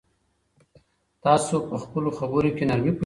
تاسو باید په خپلو خبرو کې نرمي پیدا کړئ.